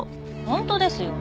本当ですよ。